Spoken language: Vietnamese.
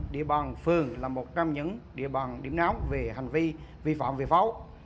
địa bàn phường là một trong những địa bàn điểm náo về hành vi vi phạm về pháo